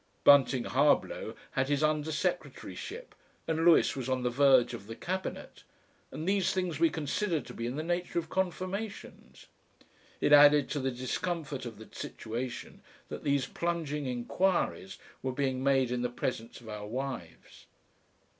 Bunting Harblow had his under secretaryship, and Lewis was on the verge of the Cabinet, and these things we considered to be in the nature of confirmations.... It added to the discomfort of the situation that these plunging enquiries were being made in the presence of our wives.